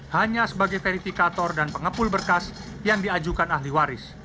hanya sebagai verifikator dan pengepul berkas yang diajukan ahli waris